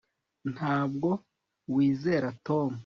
ntabwo wizera tom